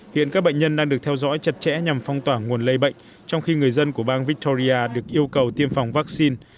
hiện các bệnh nhân đang được theo dõi chặt chẽ nhằm phong tỏa nguồn lây bệnh trong khi người dân của bang victoria được yêu cầu tiêm phòng vaccine